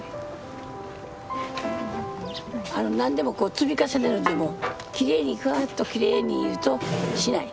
何でもこう積み重ねるんでもきれいにふわっときれいにしない。